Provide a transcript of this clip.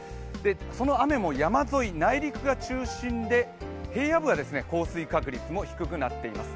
その雨も山沿い、内陸が中心で平野部は降水確率も低くなっています。